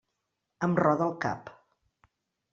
Em roda el cap.